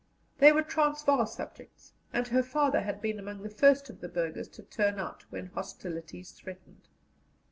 They were Transvaal subjects, and her father had been among the first of the burghers to turn out when hostilities threatened.